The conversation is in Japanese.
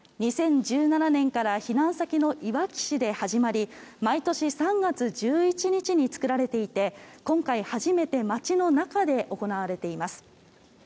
２０１７年から避難先のいわき市で始まり毎年３月１１日に作られていて今回、初めて町の中で行われています。